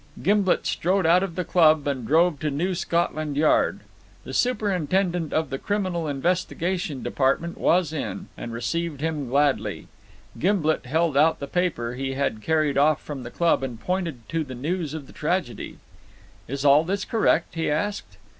Gimblet strode out of the Club and drove to New Scotland Yard. The Superintendent of the Criminal Investigation Department was in, and received him gladly. Gimblet held out the paper he had carried off from the Club and pointed to the news of the tragedy. "Is all this correct?" he asked.